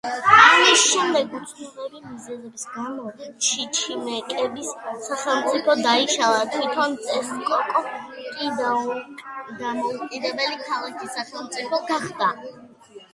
ამის შემდეგ უცნობი მიზეზების გამო ჩიჩიმეკების სახელმწიფო დაიშალა, თვითონ ტესკოკო კი დამოუკიდებელი ქალაქი-სახელმწიფო გახდა.